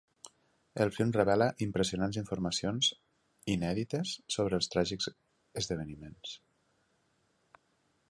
El film revela impressionants informacions inèdites sobre els tràgics esdeveniments.